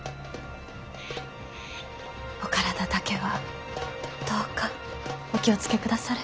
お体だけはどうかお気を付けくだされ。